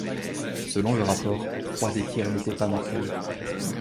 Selon le rapport, trois des tirs n’étaient pas mortels.